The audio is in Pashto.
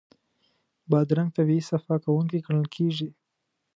بادرنګ طبعي صفا کوونکی ګڼل کېږي.